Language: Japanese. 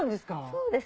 そうです。